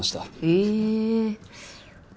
へえ。